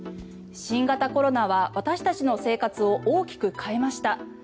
新型コロナは私たちの生活を大きく変えました。